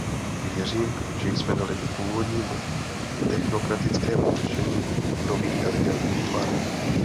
Věřím, že jsme dali původnímu technokratickému řešení nový, elegantní tvar.